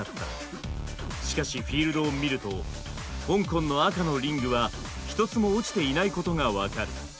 しかしフィールドを見ると香港の赤のリングは一つも落ちていないことが分かる。